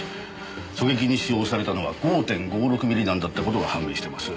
狙撃に使用されたのは５．５６ミリ弾だった事が判明してます。